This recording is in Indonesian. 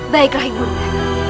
baiklah ibu nda